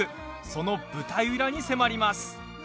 その舞台裏に迫ります。